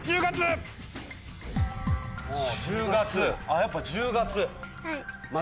あっやっぱ１０月？